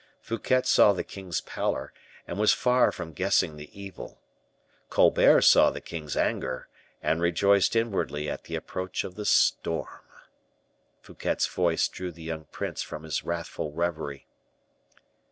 Fouquet saw the king's pallor, and was far from guessing the evil; Colbert saw the king's anger, and rejoiced inwardly at the approach of the storm. Fouquet's voice drew the young prince from his wrathful reverie.